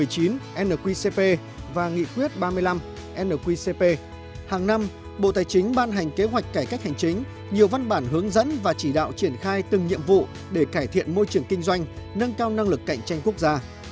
hàng năm bộ tài chính ban hành kế hoạch cải cách hành chính nhiều văn bản hướng dẫn và chỉ đạo triển khai từng nhiệm vụ để cải thiện môi trường kinh doanh nâng cao năng lực cạnh tranh quốc gia